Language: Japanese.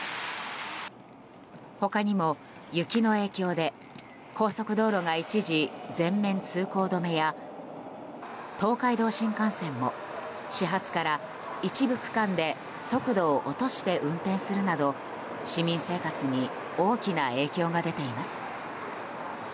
他にも雪の影響で高速道路が一時全面通行止めや東海道新幹線も始発から一部区間で速度を落として運転するなど市民生活に大きな影響が出ています。